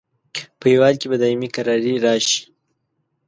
په هیواد کې به دایمي کراري راشي.